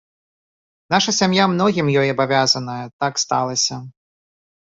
Наша сям'я многім ёй абавязаная, так сталася.